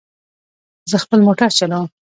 زه خپل موټر چلوم